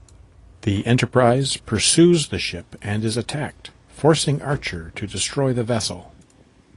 The "Enterprise" pursues the ship and is attacked, forcing Archer to destroy the vessel.